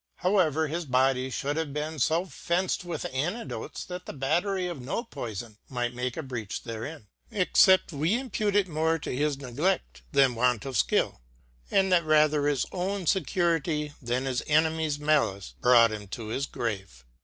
However his body fliould have been io fenced with antidotes, that the battery of no poyfon might make a breach therein except we impute it more to his neglect then want of skill, and that rather his own fecurity then his ene mies malice brought him to his grave.